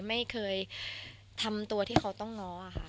ไม่เคยทำตัวที่เขาต้องง้อค่ะ